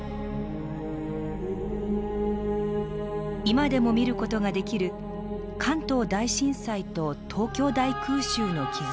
今でも見る事ができる関東大震災と東京大空襲の傷跡。